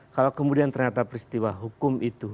kalau kemudian ternyata peristiwa hukum itu